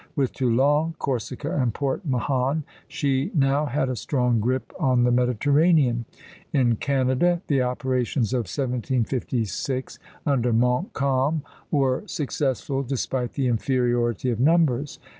With Toulon, Corsica, and Port Mahon, she now had a strong grip on the Mediterranean. In Canada, the operations of 1756, under Montcalm, were successful despite the inferiority of numbers.